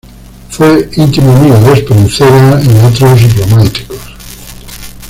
Fue íntimo amigo de Espronceda y otros románticos.